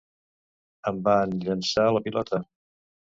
Em van llançar la pilota.